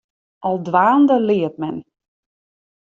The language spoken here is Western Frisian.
Al dwaande leart men.